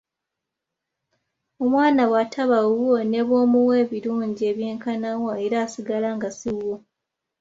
Omwana bw’ataba wuwo ne bw’omuwa ebirungi ebyenkana wa era asigala nga si wuwo.